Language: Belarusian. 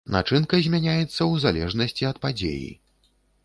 Начынка змяняецца ў залежнасці ад падзеі.